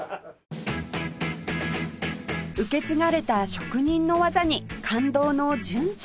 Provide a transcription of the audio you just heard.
受け継がれた職人の技に感動の純ちゃん